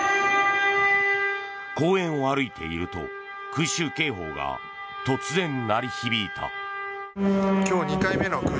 公園を歩いていると空襲警報が突然、鳴り響いた。